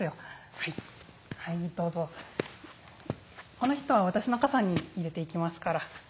この人は私の傘に入れていきますから」。